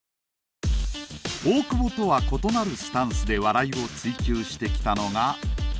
大久保とは異なるスタンスで笑いを追求してきたのが友近。